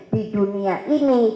di dunia ini